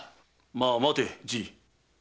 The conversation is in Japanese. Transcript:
まあ待てじい。